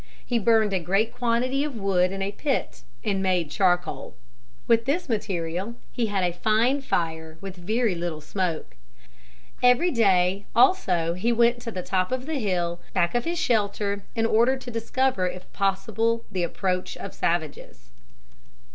He burned a great quantity of wood in a pit and made charcoal. With this material he had a fine fire with a very little smoke. Every day also he went to the top of the hill back of his shelter in order to discover if possible the approach of savages.